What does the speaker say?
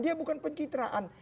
dia bukan pencitraan